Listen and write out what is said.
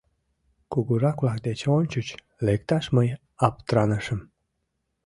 — Кугурак-влак деч ончыч лекташ мый аптыранышым.